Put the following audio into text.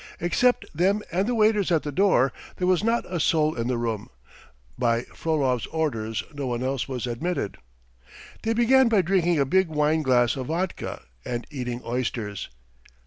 Except them and the waiters at the door there was not a soul in the room; by Frolov's orders no one else was admitted. They began by drinking a big wine glass of vodka and eating oysters.